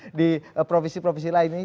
ataupun di provinsi provinsi lain